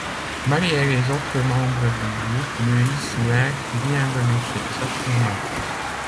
Marie et les autres membres du groupe lui souhaitent bienvenue chez Zap Mama.